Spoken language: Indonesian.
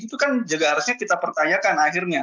itu kan juga harusnya kita pertanyakan akhirnya